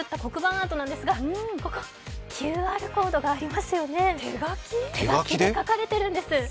アートなんですがここ、ＱＲコードがありますよね、手書きで書かれてるんです。